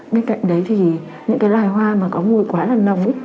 bên cạnh đấy thì những cái loài hoa mà có mùi quá là nồng